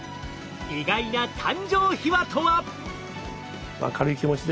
意外な誕生秘話とは？